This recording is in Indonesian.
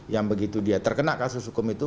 yang begitu dia terkena kasus hukum itu